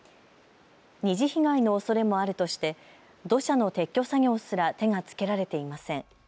２次被害のおそれもあるとして土砂の撤去作業すら手が付けられていません。